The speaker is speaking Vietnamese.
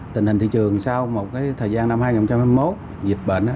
tình hình thị trường sau một thời gian năm hai nghìn hai mươi một dịch bệnh